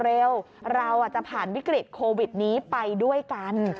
เราจะผ่านวิกฤตโควิดนี้ไปด้วยกัน